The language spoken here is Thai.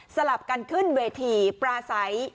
สลับกันขึ้นเวทีประสัย